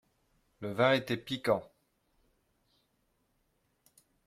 Le vin était piquant.